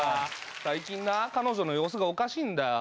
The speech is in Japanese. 最近な彼女の様子がおかしいんだよ。